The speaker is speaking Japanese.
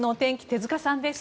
手塚さんです。